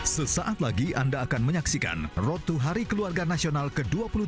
sesaat lagi anda akan menyaksikan road to hari keluarga nasional ke dua puluh tiga